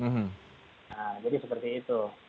jadi seperti itu